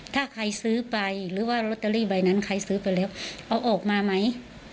ถ้าใครซื้อไปหรือว่าลอตเตอรี่ใบนั้นใครซื้อไปแล้วเอาออกมาไหม